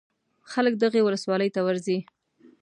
خلک دغې ولسوالۍ ته ورځي.